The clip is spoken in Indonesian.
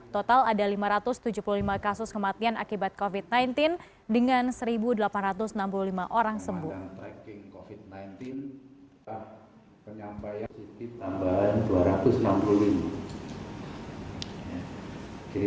total ada lima ratus tujuh puluh lima kasus kematian akibat covid sembilan belas dengan satu delapan ratus enam puluh lima orang sembuh